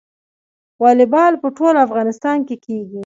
والیبال په ټول افغانستان کې کیږي.